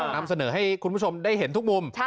นำเสนอให้คุณผู้ชมได้เห็นทุกมุม